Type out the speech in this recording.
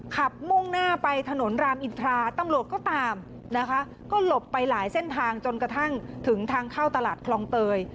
มุ่งหน้าไปถนนรามอินทราตำรวจก็ตามนะคะก็หลบไปหลายเส้นทางจนกระทั่งถึงทางเข้าตลาดคลองเตย